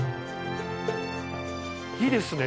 いいですね